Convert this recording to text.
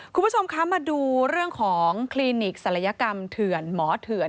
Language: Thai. คุณผู้ชมคะมาดูเรื่องของคลินิกศัลยกรรมเถื่อนหมอเถื่อน